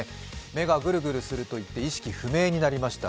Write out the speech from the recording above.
目がぐるぐるすると言って意識不明になりました。